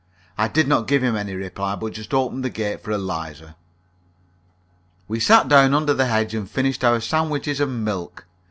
I did not give him any reply, but just opened the gate for Eliza. We sat down under the hedge, and finished our sandwiches and milk.